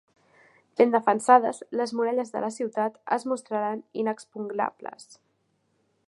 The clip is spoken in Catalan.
Ben defensades, les muralles de la ciutat es mostraren inexpugnables.